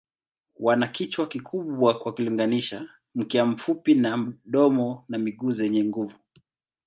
Wana kichwa kikubwa kwa kulinganisha, mkia mfupi na domo na miguu zenye nguvu.